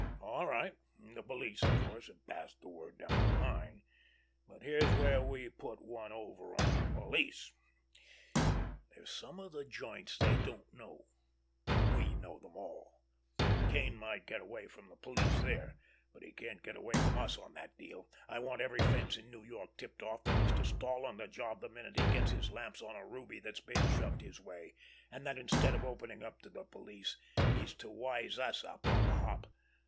All right! The police, of course, have passed the word down the line, but here's where we put one over on the police. There's some of the joints they don't know—we know them all. Kane might get away from the police there—but he can't get away from us on that deal. I want every 'fence' in New York tipped off that he's to stall on the job the minute he gets his lamps on a ruby that's being shoved his way, and that instead of opening up to the police he's to wise us up on the hop.